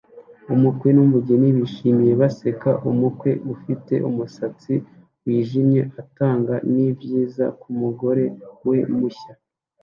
Umukwe n'umugeni bishimye baseka umukwe ufite umusatsi wijimye atanga ni viza kumugore we mushya